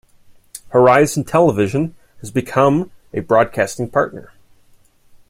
Horizon Television has become a broadcasting partner.